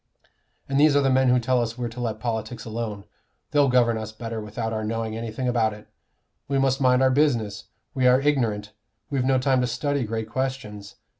And these are the men who tell us we're to let politics alone; they'll govern us better without our knowing anything about it. We must mind our business; we are ignorant; we've no time to study great questions.